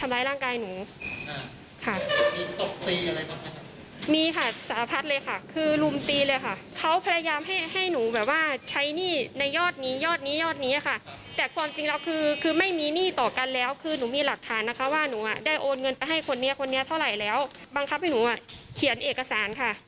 บังคับให้หนูเขียนเอกสารค่ะ